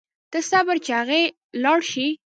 ته صبر چې اغئ لاړ شي.